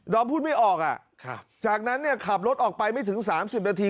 อมพูดไม่ออกจากนั้นเนี่ยขับรถออกไปไม่ถึง๓๐นาที